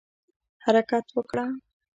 حرکت وکړه